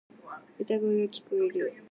歌声が聞こえる。